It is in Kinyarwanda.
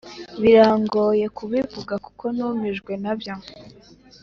birangoye kubivuga kuko numijwe nabyo